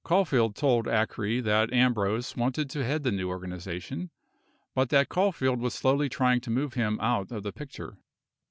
Caulfield told Acree that Ambrose wanted to head the new organization, but that Caulfield was slowly trying to move him out of the picture.